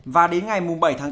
và đến ngày bảy tháng tám